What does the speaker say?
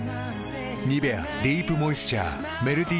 「ニベアディープモイスチャー」メルティタイプ